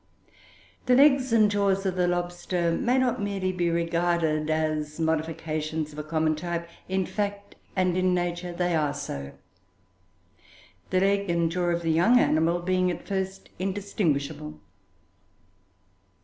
The legs and jaws of the lobster may not merely be regarded as modifications of a common type, in fact and in nature they are so, the leg and the jaw of the young animal being, at first, indistinguishable.